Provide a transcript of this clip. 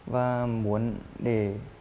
và muốn để